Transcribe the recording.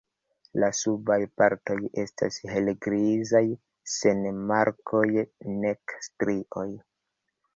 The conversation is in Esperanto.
La subaj partoj estas helgrizaj sen markoj nek strioj.